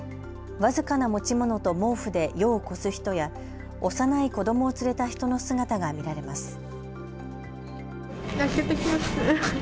僅かな持ち物と毛布で夜を越す人や幼い子どもを連れた人の姿が見られます。